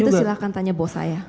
kalau gitu silahkan tanya bos saya